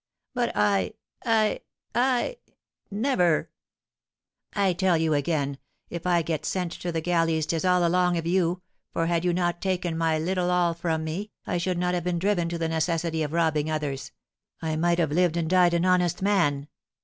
"But I I I never " "I tell you again, if I get sent to the galleys 'tis all along of you; for had you not taken my little all from me, I should not have been driven to the necessity of robbing others; I might have lived and died an honest man.